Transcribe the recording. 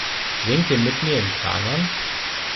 Singt ihr mit mir im Kanon?